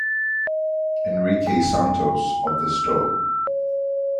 Enrique Santos, of the Sto.